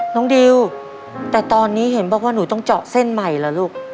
น้องดิวแต่ตอนนี้เห็นบอกว่าหนูต้องเจาะเส้นใหม่เหรอลูก